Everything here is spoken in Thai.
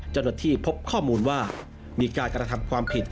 จังหวัดที่พบข้อมูลว่ามีการการทำความผิด